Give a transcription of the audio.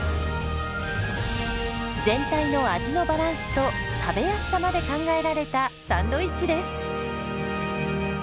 全体の味のバランスと食べやすさまで考えられたサンドイッチです。